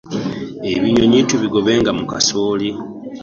Ebinyonyi tubigobenga mu kasooli